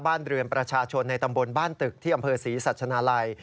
บ้านเรือนประชาชนในตำบลบ้านตึกที่อำเภอศรีสัชนาลัย